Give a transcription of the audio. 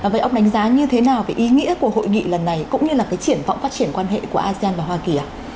vậy ông đánh giá như thế nào về ý nghĩa của hội nghị lần này cũng như là cái triển vọng phát triển quan hệ của asean và hoa kỳ ạ